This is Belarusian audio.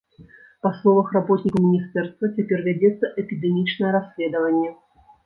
Па словах работнікаў міністэрства, цяпер вядзецца эпідэмічнае расследаванне.